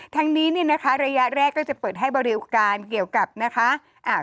ทั้งนี้เนี่ยนะคะระยะแรกก็จะเปิดให้บริการเกี่ยวกับนะคะ